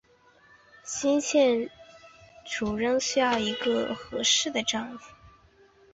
新君主仍然需要一个合适的丈夫。